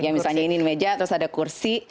iya misalnya ini meja terus ada kursi